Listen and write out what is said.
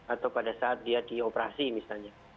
atau pada saat dia dioperasi misalnya